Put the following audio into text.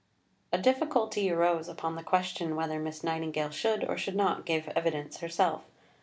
A difficulty arose upon the question whether Miss Nightingale should or should not give evidence herself.